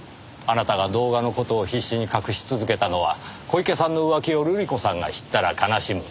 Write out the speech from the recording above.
あなたが動画の事を必死に隠し続けたのは小池さんの浮気を瑠璃子さんが知ったら悲しむ。